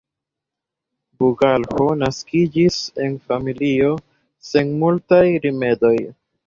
Bugalho naskiĝis en familio sen multaj rimedoj.